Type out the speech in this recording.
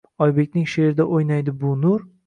Oybekning she’rida o’ynaydi bu nur?